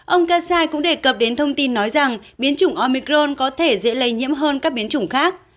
ông kasai cũng đề cập đến thông tin nói rằng biến chủng omicron có thể dễ lây nhiễm hơn các biến chủng khác